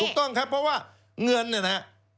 ถูกต้องครับเพราะว่าเงินเนี่ยนะครับ